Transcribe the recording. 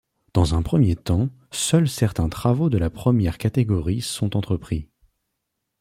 Dans un premier temps, seuls certains travaux de la première catégorie sont entrepris.